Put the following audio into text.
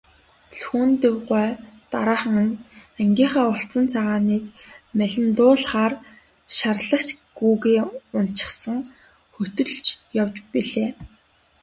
Лхүндэв гуай дараахан нь ангийнхаа улцан цагааныг малиндуулахаар шаргач гүүгээ уначихсан хөтөлж явж билээ.